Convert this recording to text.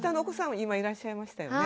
今いらっしゃいましたよね。